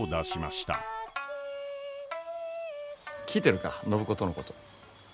聞いてるか暢子とのこと。